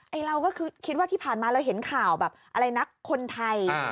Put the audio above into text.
เราก็คือคิดว่าที่ผ่านมาเราเห็นข่าวแบบอะไรนะคนไทย